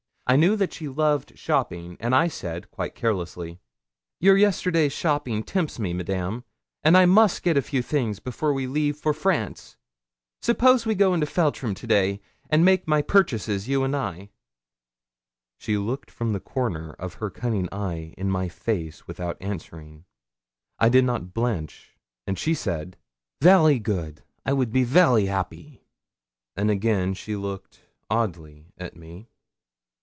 I knew that she loved shopping, and I said, quite carelessly 'Your yesterday's shopping tempts me, Madame, and I must get a few things before we leave for France. Suppose we go into Feltram to day, and make my purchases, you and I?' She looked from the corner of her cunning eye in my face without answering. I did not blench, and she said 'Vary good. I would be vary 'appy,' and again she looked oddly at me.